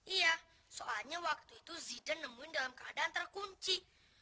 iya soalnya waktu itu ziden nemuin dalam keadaan terkunci